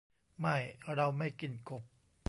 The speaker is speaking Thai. ไม่ เราไม่กินกบ